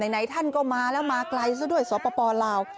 ไหนท่านก็มาแล้วมาไกลซะด้วยสปลาว